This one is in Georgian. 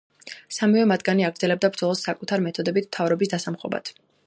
სამივე მათგანი აგრძელებდა ბრძოლას საკუთარ მეთოდებით მთავრობის დასამხობად.